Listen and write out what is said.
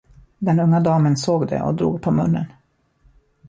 Den unga damen såg det och drog på munnen.